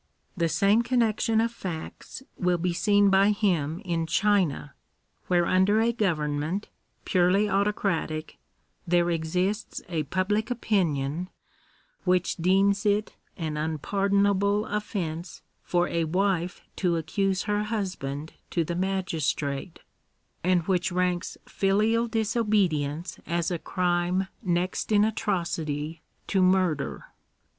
The some connection of facts will be seen by him in China, where under a government, purely autocratic, there exists a public opinion which deems it an unpardonable offence for a wife to accuse her husband to the magistrate, and which ranks filial disobedience as a crime next in atrocity to murder.